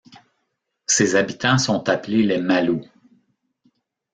Ses habitants sont appelés les Maloux.